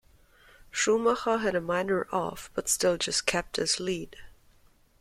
Schumacher had a minor off but still just kept his lead.